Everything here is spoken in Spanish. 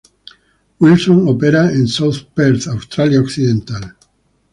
Wilson opera en South Perth, Australia Occidental.